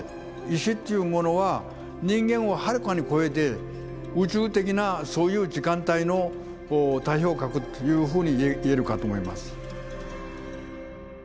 石っていうものは人間をはるかに超えて宇宙的なそういう時間帯の代表格というふうにいえるかと思います。